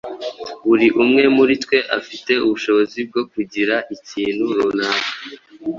Buri umwe muri twe afite ubushobozi bwo kugira ikintu runaka